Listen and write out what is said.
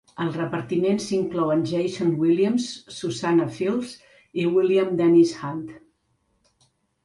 Al repartiment s'inclouen Jason Williams, Suzanne Fields i William Dennis Hunt.